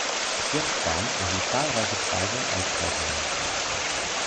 Kirschbaum erhielt zahlreiche Preise und Auszeichnungen.